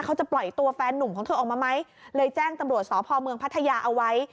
เขาจะปล่อยตัวแฟนนุ่มของเธอออกมาไหมเลยแจ้งตำรวจสพเมืองพัทยาเอาไว้